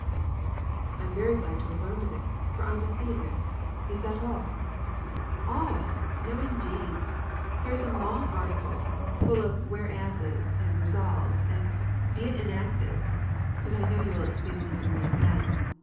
"I am very glad to have learned of it, for I must be there. Is that all?" "All? no, indeed! Here are some long articles, full of Whereases, and Resolved's, and Be it enacted's; but I know you will excuse me from reading them.